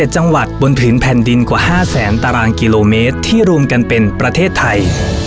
๗จังหวัดบนผืนแผ่นดินกว่า๕แสนตารางกิโลเมตรที่รวมกันเป็นประเทศไทย